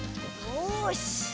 よし！